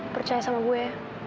percaya sama gue